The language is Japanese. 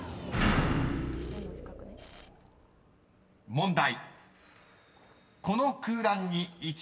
［問題］